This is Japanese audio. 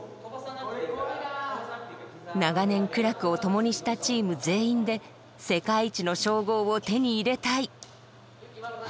長年苦楽を共にしたチーム全員で世界一の称号を手に入れたい。